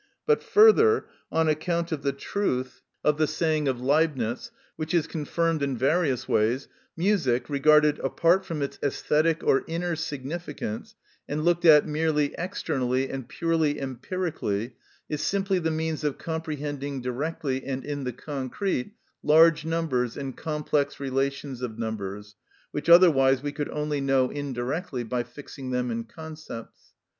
But further, on account of the truth of the saying of Leibnitz, which is confirmed in various ways, music, regarded apart from its æsthetic or inner significance, and looked at merely externally and purely empirically, is simply the means of comprehending directly and in the concrete large numbers and complex relations of numbers, which otherwise we could only know indirectly by fixing them in concepts.